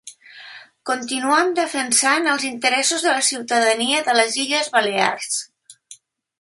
Continuam defensant els interessos de la ciutadania de les Illes Balears.